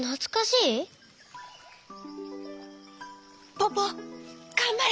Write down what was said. ポポがんばれ！